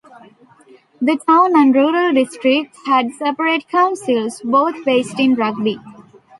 The town and rural district had separate councils, both based in Rugby.